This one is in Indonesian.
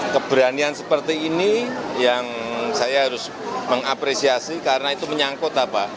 keberanian seperti ini yang saya harus mengapresiasi karena itu menyangkut apa